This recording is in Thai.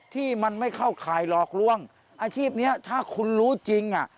ที่มันไม่เข้าข่ายหลอกลวงอาชีพนี้ถ้าคุณรู้จริงอ่ะ